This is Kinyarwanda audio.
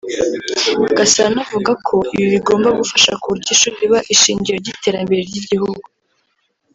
Gasana avuga ko ibi bigomba gufasha ku buryo ishuri riba ishingiro ry’iterambere ry’igihugu